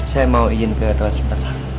saya mau izin ke transmedia